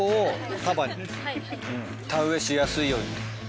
田植えしやすいように。